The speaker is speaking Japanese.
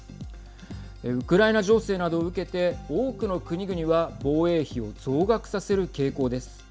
ウクライナ情勢などを受けて多くの国々は防衛費を増額させる傾向です。